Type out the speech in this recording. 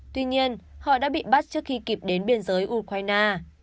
tuy nhiên họ đã bị bắt trước khi kịp đến biên giới ukraine